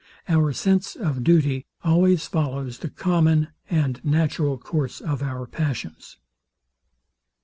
Our sense of duty always follows the common and natural course of our passions.